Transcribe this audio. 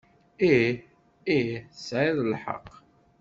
Ih, ih, tesɛiḍ lḥeqq.